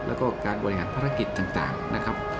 แล้วก็การบริหารภารกิจต่างนะครับ